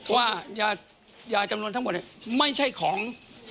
ว่ายาจำนวนทั้งหมดไม่ใช่ของ